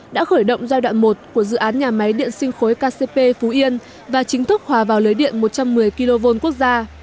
đã khởi động giai đoạn một của dự án nhà máy điện sinh khối kcp phú yên và chính thức hòa vào lưới điện một trăm một mươi kv quốc gia